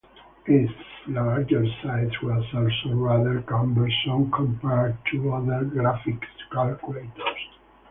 Its larger size was also rather cumbersome compared to other graphing calculators.